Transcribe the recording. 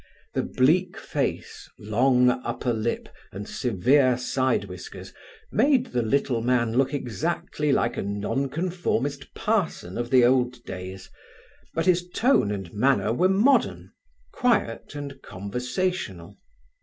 The bleak face, long upper lip and severe side whiskers made the little man look exactly like a nonconformist parson of the old days, but his tone and manner were modern quiet and conversational.